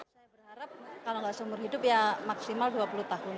saya berharap kalau nggak seumur hidup ya maksimal dua puluh tahun